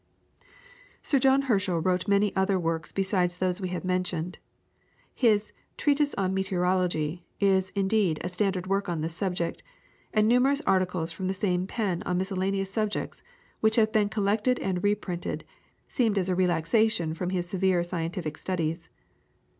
Sir John Herschel wrote many other works besides those we have mentioned. His "Treatise on Meteorology" is, indeed, a standard work on this subject, and numerous articles from the same pen on miscellaneous subjects, which have been collected and reprinted, seemed as a relaxation from his severe scientific studies.